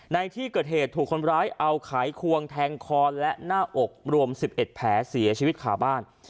ในที่เกิดเหตุถูกคนร้ายเอาไขควงแทงคอและหน้าอกรวม๑๑แผลเสียชีวิตขาบ้าน